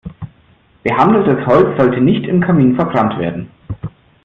Behandeltes Holz sollte nicht im Kamin verbrannt werden.